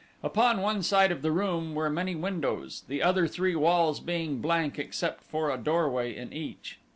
Upon one side of the room were many windows, the other three walls being blank except for a doorway in each.